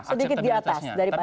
sedikit di atas dari pak erlangga